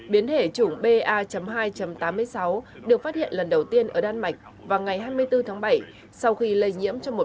biến thể chủng ba hai tám mươi sáu được phát hiện lần đầu tiên ở đan mạch vào ngày hai mươi bốn tháng bảy sau khi lây nhiễm trong một